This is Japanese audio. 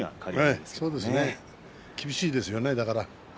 だから厳しいですよね